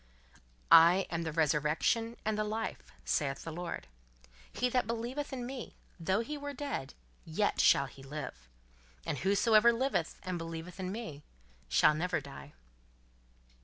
"I am the resurrection and the life, saith the Lord: he that believeth in me, though he were dead, yet shall he live: and whosoever liveth and believeth in me, shall never die."